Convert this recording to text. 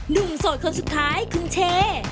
หนุ่มโสดคนสุดท้ายคือเช่